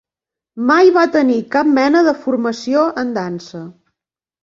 Mai va tenir cap mena de formació en dansa.